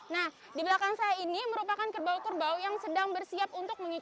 nah di belakang saya ini merupakan kerbau kerbau yang sedang bersiap untuk mengikuti